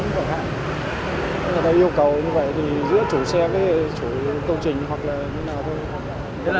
nếu người ta yêu cầu như vậy thì giữa chủ xe với chủ tôn trình hoặc là như thế nào thôi